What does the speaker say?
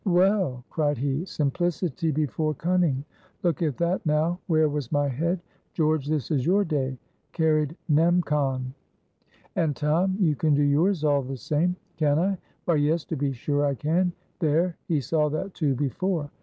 "Well," cried he, "simplicity before cunning; look at that now. Where was my head? George, this is your day carried nem. con." "And, Tom, you can do yours all the same." "Can I? Why, yes, to be sure I can. There, he saw that, too, before.